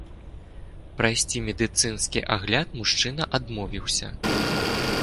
Прайсці медыцынскі агляд мужчына адмовіўся.